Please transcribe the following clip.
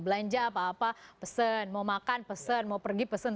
belanja apa apa pesen mau makan pesen mau pergi pesen